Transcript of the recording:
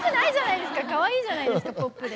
かわいいじゃないですかポップで。